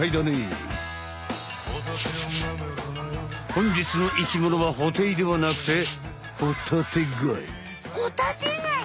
ほんじつの生きものはホテイではなくてホタテガイ